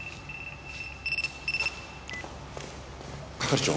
係長